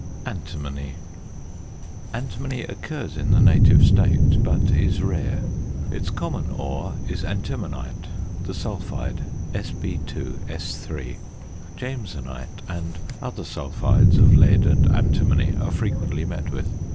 ANTIMONY. Antimony occurs in the native state, but is rare; its common ore is antimonite, the sulphide (Sb_S_). Jamesonite and other sulphides of lead and antimony are frequently met with.